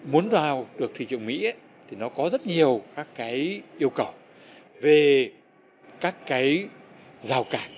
muốn vào được thị trường mỹ thì nó có rất nhiều các cái yêu cầu về các cái rào cản